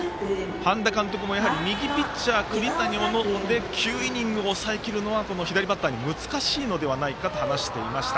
半田監督は右ピッチャー栗谷、小野で９イニングを抑えきるのは左バッターには難しいのではないかと話していました。